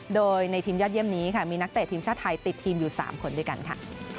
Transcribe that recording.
โดยในทีมยอดเยี่ยมนี้ค่ะมีนักเตะทีมชาติไทยติดทีมอยู่๓คนด้วยกันค่ะ